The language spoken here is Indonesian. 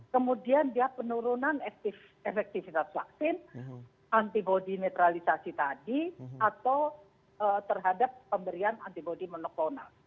kemudian dia penurunan efektivitas vaksin antibody netralisasi tadi atau terhadap pemberian antibody monokonal